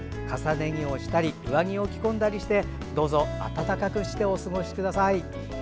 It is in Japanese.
重ね着をしたり上着を着込んだりしてどうぞ暖かくしてお過ごしください。